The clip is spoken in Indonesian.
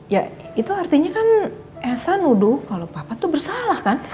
ya itu artinya kan esa nuduh kalau papa itu bersalah kan